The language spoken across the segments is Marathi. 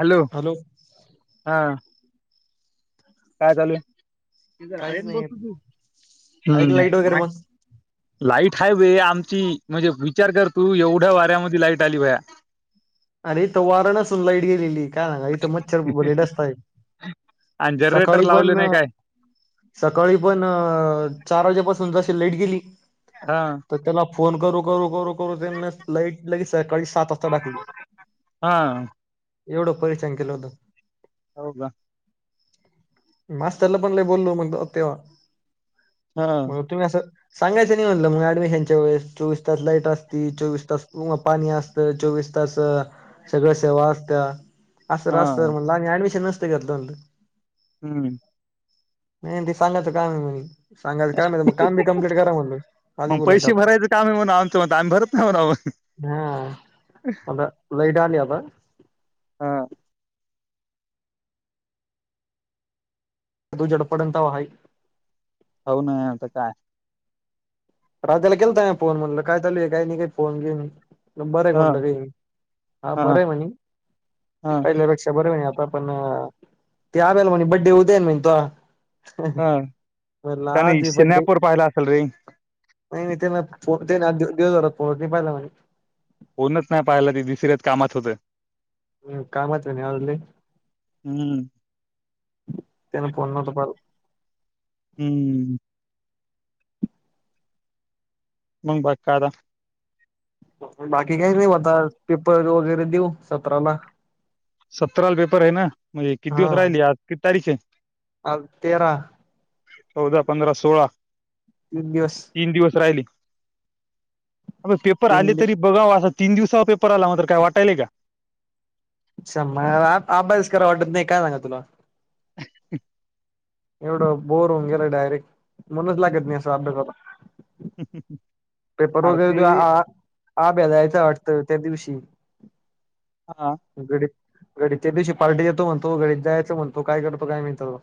हॅलो हा काय चालू आहे त काहीच ज नाही बस तू आहे का लाईट वगैरे ह मग लाईट हाय व आमची म्हणजे विचार कर तू एवढ्या वाऱ्यामध्ये लाईट आली वया अरे इथं वार नसून लाईट गेलेली काय सग इथं मच्छर बरडसतय आणि जनरेटर सकाळी लावले पण नाही काय सकाळी पण चार वाजेपासून जा लाईट गेली हा तर त्याला फोन करू करू करू करू ते लाइईट लागली सकाळी सात वाजता टाकली हा एवढं परशान केलं होत हो का मास्तरला पण ल बोललो मग तेव्हा हा म तुम्ही असं सांगायचं नाही म्हटलं मग ऍडमिशनच्या वेळेस चोवीस तास लाईट असती चोवीस तास पाणी असतं चोवीस तास सगळ सेवा असत्या असत हा असत म्हणलं आणि ऍडमिशन नसते घेतलं म्हण हम्म माहित नाही सांगायचं काम आहे म्हणे सांगायचं काय म्हहि मग काम मी कंप्लीट करा म्हण खाली मग बलायच पैसे आता भरायचं काम आहे म्हणा आमचं मत आम्ही भरत नाही म्हणा हा आ लाईट आली आतां हा तू जडपडंत वा हाई हो ना आता काय राजाला केलता मी फोन म्हणलं काय चालू आहे काही नाही काही फोन बीन बरे ह कोणलं रे हा ह बरे म्हणी ह पहिल्यापेक्षा बरे म्हणी पण ते आवेल म्हणे बर्डे उद्या आहे ना तुझा ह म्हणलं त्याने हॅपी बर्थडे स्नॅपवर पाहिला असेल रे ते पोह ना दिात पोह पाहिला [unintelligible] फोणच नाही पाहयला ते दुसऱ्याच कामात होते हम् कामात आहे ना आज लई हम्म त्यान फोन नव्हतं पहात हम्म मग बाकी काय डा बाकी काहीच नाही बता पेपर वगैरे देऊ सतराला सतराला पेपर आहे ना म्हणजे किती हा दिवस राहिल आज किती तारीख आहे आज तेरा चौदा पंधरा सोळा तीन दिवस तीन दिवस राहिली आबे पेपर आले तीन तरी बघाव असा तीन दिवसावर पेपर आला म काय वाटायलय का सांभाळायला अभ्यास कराव वाटत नाही काय सांगायच तुला [inaudible] एवढं बोर होऊन गेला डायरेक्ट मनच लागत नाही असं अभ्यासाला पेपर अरे वगैरे ते द्या आभ्या जायचं वाटतं त्या दिवशी हा घडी घडीच्या दिवशी पार्टी देतो म्हणतो घडी जायच म्हणतो काय करतो काय माहीत आता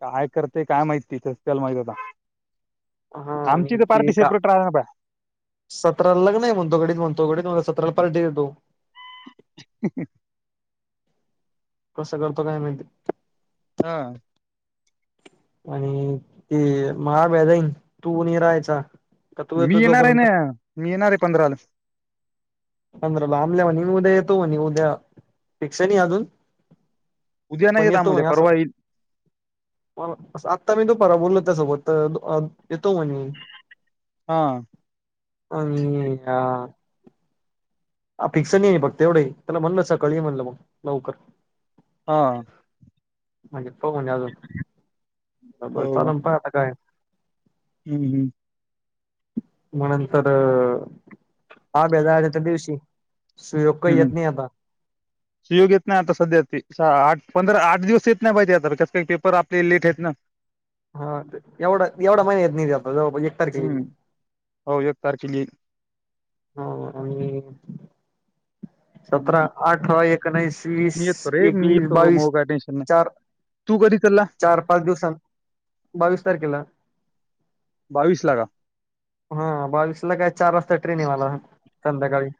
काय करते काय माहीती त्याच त्याला माहित आता हा आणि ते का राहणार बा सतरा लग्न म्हणतो घडीत म्हणतो सतराला पार्टी देतो [unintelligible] कसं करतो काय माहित हा आणि ते महाबे जाईन तू राहायचा का तू मी येतो येणार आहे जोपर्यंत ना मी येणार आहे पंधराला पंधराला आमल्या म्हणी उद्या येतो म्हणी उद्या फिक्स नाही अजून उद्या नाही पण येत आम येतो उद्या म्हणी अस परवा येईल आता मी दुपारा बोललो सोबत तर येतो म्हणे. हा अ ह [unintelligible] हा फिक्स नाही नाही फक्त तेवढं त्याला म्हणलं सकाळी म्हणलं मग लवकर. हा म्हणजे पाहू म्हणजे अजून बर हो का चालल आता काय हम्म हम्म म्हणंतर आब्या जायच्या त्या दिवशी सुयोग काही हम्म येत नाही आता शिव घेत ना आता सध्या त आठ पंधरा आठ दिवस येत नाही पाहिजे आताच्यात काही पेपर आपले लेट आहेत ना. हा एवढा एवढा महिना येत नि आपला जवळपास एक तारखे लि हम्म हो एक तारखेला येईल हो आणि सतरा, आठरा, एकोणीस, वीस, मी येतो रे मी एकवीस, येतो बावीस मग काय टेन्शन नाही चार तू कधी चालला चार पाच दिवसां बावीस तारखेला बावीस लागा हा बावीस ला काय चार वाजता ट्रेन आहे मला संध्याकाळी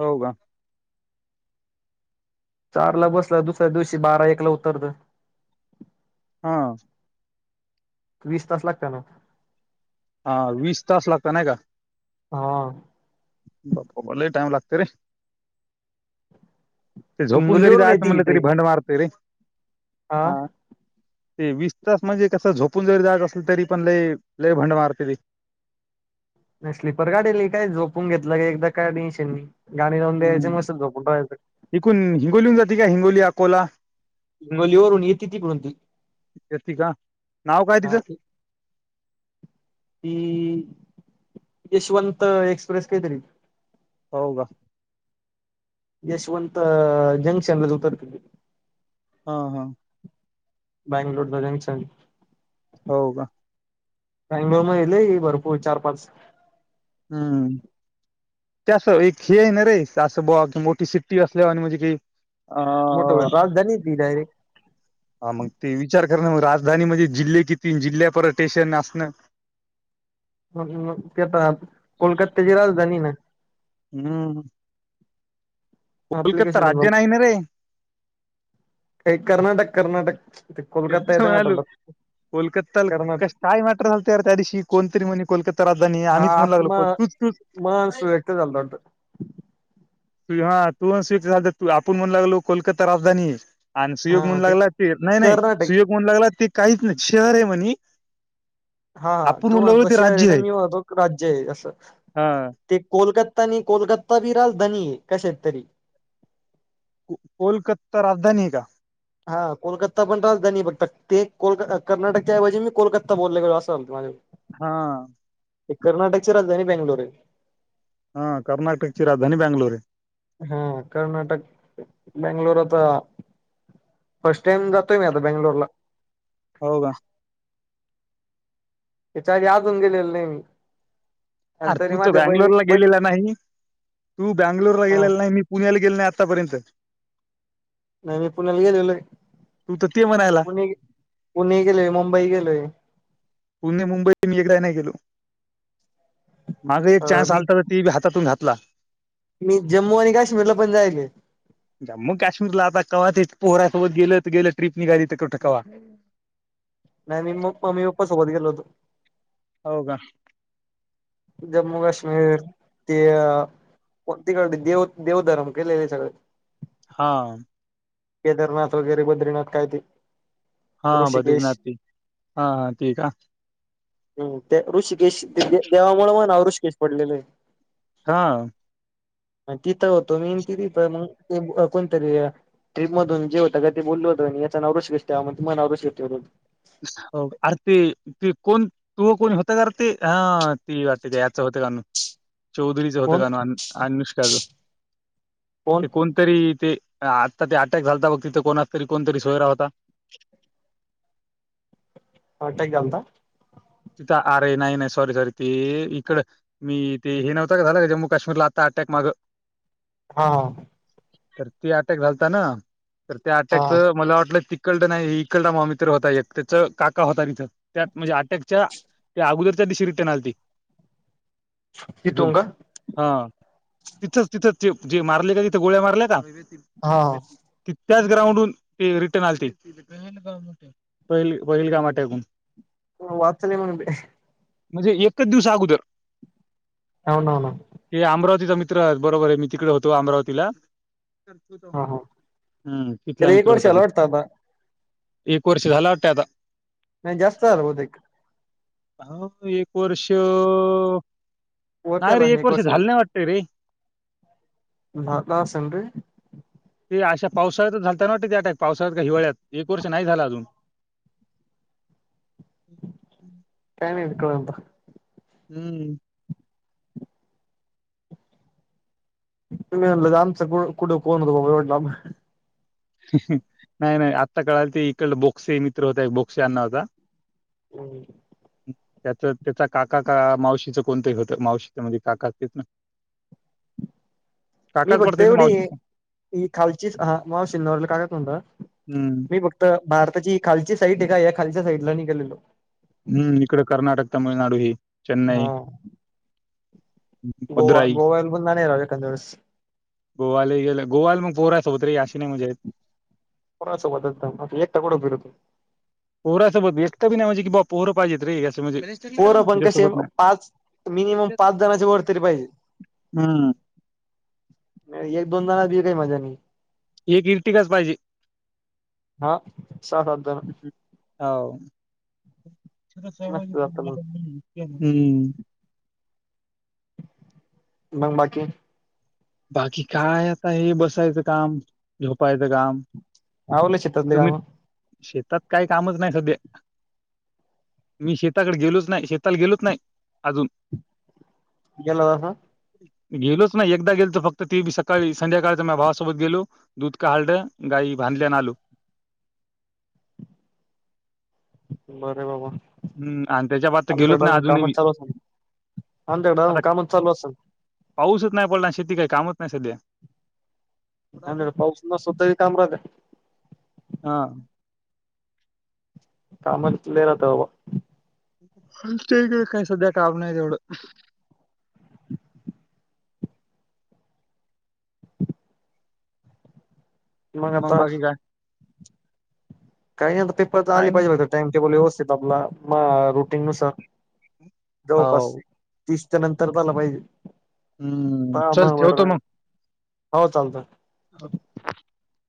हो का चार ला बसला दुसऱ्या दिवशी बारा एकला उतरत हा वीस तास लागता ना. हा वीस तास लागता नाही का हा बापा लई टाइम लागत रे. ते झोपून जरी हिंगोलीवरून जायचं येते ही म्हणलं तरी ट्रेन भंड मारतेय रे हा तेवीस तास म्हणजे कस झोपून जरी जाग असलं तरी पण लय लय भंड मारते ते नाही स्लीपर गाडीली काय झोपून घेतलं का एकदा काय टेंशन नाही गाणी लावून द्यायचे हम्म मस्त झोपून राहायचं इकूण हिंगोलीन जाते का हिंगोली अकोला गोलीवरून येति तीकणती येते का नाव काय तिचं ह त यशवंत एक्सप्रेस काहीतरी हो का यशवंत जंक्शनल उतरते हा हा बँंगलोर द जंक्शन हो का बंग्लोर मध्ये लई भरपूर चार पाच हम्म. ते असं एक हे य ना रे असं बा की मोठी सिट्टी असल्या वानी म्हणजे की मोठो व्हायला पाहिजे होत कनी ती डायरेक्ट हा मग ते विचार करण मग राजधानी मध्ये जिल्हे किती जिल्ह्यापर्टेशन असणं ते आता कोलकातत्याची राजधानी ना. हम्म. कोलकता राज्य नाही ना रे. का कर्नाटक कर्नाटक कोलकता येत मा तोंडात. कोलकत्ता्याला कश काय मॅटर झालते यार त्या दिवशी कोणतरी म्हणी कोलकातता राजधानी आम्हीच म्हणू लागलो तूच तूच माणस व्यक्त झालता वाटत. हा तू [unintelligible] आपण म्हण लागलो कोलकाता राजधानीचे. आणि सुयोग म्हण लागला ते नाही नाही कर्नाटक सुयोग म्हण लागला ते काहीच नाही शहरे म्हणी. हा तो म्हणतो शहरे न मी म्हणतो राज्यय असं हा ते कोलकत नी कोलकत्ता बी राजधानीये कशाचीतरी. कोलकता राजधानीये का? हा कोलकत्ता पण राजधानीये फक्त ते कोलक कर्नाटकच्याऐवजी मी कोलकता बोलले गेलो असं झालत माझ्याकुन. हा. कर्नाटकचे राजधानी बॅंगलूरे. हा कर्नाटकची राजधानी बॅंगलूरे. हा कर्नाटक बॅंगलूर आता फर्स्ट टाइम जातोय मी आता बॅंगलोर ला. हो का? याच्या आधी अजून गेलेलं नाही मी. आणि अर तरी तू तर माझ्या बहिणी बँंगलोरला बही गेलेला नाही. तू बँंगलोरला हा गेलेला नाही मी पुण्याला गेलो नाही आत्तापर्यंत. नाही मी पुण्याला गेलेलोय. तू तर ते म्हणायला पुणे पुणे गेलोय मुंबई गेलोय. पुणे मुंबई मी एकदाही नाही गेलो. माग एक अ चान्स मी आलात ते बी हातातून घातला. मी जम्मू आणि काश्मीरला पण जायेले. जम्मू काश्मीरला आता कवा ते पोरासोबत गेलो त गेलो ट्र्रीप निघाली त कुठं कवा. नाही मी मम्मी पप्पा सोबत गेलो होतो. हो का? जम्मू काश्मीर. ते फक्त तिकड देव देवधर्म केलेले सगळे. हा. केदारनाथ वगैरे बद्रीनाथ काय ते. हा ऋषिकेश बद्रीनाथबी हा हा ते का? हम्म ते ऋषिकेश देवामुळे महा नाव ऋषिकेश पडलेलय. हा. तिथं होतो मी ति तिथ मग ते कोणतरी ट्रिपमधून जे होतं का ते बोलल होत म्हणी याचा नाव रुशिकेश ठेवा म्हणून मग महा नाव ऋषिकेश ठेवल होत. हो अर ते ते कोण तू कोणी होता कार ते हा ती वाटते त्या याच होत कानू. चौधरीचं होतं कोण गाण. अनुष्काच कोण ते कोणतरी ते आता ते अटॅक झालता बघ तिथे कोणच तरी कोणतरी सोयरा होता. अटॅक झालता. तिथं आरे नाही नाही सॉरी सॉरी ते इकड मी ते हे नव्हता का झाला का जम्मू काश्मीरला आता. अटॅक माग. हा तर त अटॅक झालत ना तर त्या अटॅकच हा मला वाटलं त इकड नाही इकलडा म मित्र होता एक त्याच काका होताथ त्यात म्हणजे अटॅक ते अगोदरच्या दिशरी टणालती तिथून हा तिथच तिथच ते जे मारले का तिथे गोळ्या मारल्या का हा त्याच ग्राउंडून ते रिटर्न आलेते पहिलगाम अटॅक हो वाचले मग ते म्हणजे एकच दिवस अगोदर हो ना हो ना हे अमरावती मित्र बरोबर आहे मी तिकडे होतो अमरावतीला हा हा हम्म तिथला त्याला एक मित्र होता ती वर्षाला वाटतं आता एक एक वर्ष झाला वाटतय आता नाही जास्त झालं बहुतेक हा एक वर्ष नाही र एक वर्ष झालने वाटतय रे झाला असन रे ते अशा पावसाळ्याच झालता ना वाट ते अटॅक पावसाळ्यात का हिवाळ्यात एक वर्ष नाही झाला अजून हम् कळल हम्म ल आमचा कुठं कोण होतो बाबा तेवटया लांब नाही नाही आत्ता काळात ते इकड बोक्से मित्र होता बोक्से आडणावाचा होता [unintelligible] त्याच त्याचा काका का मावशीचं कोणतंही होतं मावशीच्यामध्ये काका असतेच ना [inaudible] मी काकाच फक्त पडते ना एवढी मावशीचा हे खालची हा मावशिला कागत म्हणता हम्म मी फक्त भारताची खालची साईड आहे का या खालच्या साईडला निघालेलो. हम्म इकड कर्नाटक तामिळनाडू हे चेन्नई हा गोवा मदुराई गोवाल पण जाणार आहे एखादयावेळेस गोवाला ले गोवाला मग पोहण सोबत रे अशी नाय मजा येत कोना सोबत नाय एकटा [unintelligible] पोरा सोबत बी एकटं बी नाही म्हणेजे की बा पोर पाहिजेते रे म्हणजे पोर पण कसे त्याच्यासोबत नाही पाच मिनिमम पाच जणचे वर तरी पाहिजे हमम नाही एक दोन जना बि काही मजा नाही एक इरटिकच पाहिजे हा सात आठ जण हो. मस्त जातं मग [inaudible] मंग बाकी बाकी काय आता हे बसायचं काम, झोपायचं काम, आवरली शेतातली तुम्ही काम? शेतात काही कामच नाही सध्या. मी शेताकडे गेलोच नाही शेताला गेलोच नाही अजून [unintelligible] गेलोच नाही एकदा गेल फक्त ते बी सकाळी संध्याकाळचा म भावासोबत गेलो दूध का काढलं गाई बांधल्यान आलो बरे बाबा हम्म आणि त्याच्या बाद तर आमच्या गेलोच नाही एढ अजूनही कामच मी. चालू [unintelligible] आमच्याकड आता अजून काम चालू असेल. पाऊसच नाही पडना शेती काही कामच नाय सध्या. आमच्या कडे पाऊस नसला तरी काम करत्यात हा. कामच लय राहतात बाबा आमच्या कडे सध्या काम नाही तेवढं. मंग आता मग बाकी काय? काही नाही तर पेपर तर काय आले नाही. पाहिजे टाइम टेबल व्यवस्थित आपला मंग रुटीन नुसार. जवळपास हो. तीस त्या नंतर झाला माहिजे. हम्म चल ठेवतो मंग. हो चालत. [inaudible]